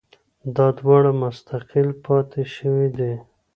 دا دواړه مستقل پاتې شوي دي